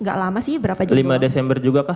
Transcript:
nggak lama sih berapa jam lima desember juga kah